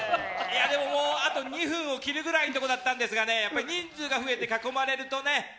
あと２分を切るぐらいのところだったんですが人数が増えて囲まれるとね。